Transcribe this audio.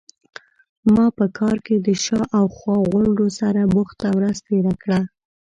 ما په کار کې د شا او خوا غونډو سره بوخته ورځ تیره کړه.